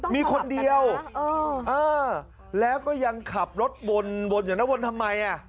มีคนเดียวแล้วก็ยังขับรถวนอยู่นะวนทำไม